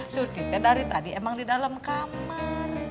surfitnya dari tadi emang di dalam kamar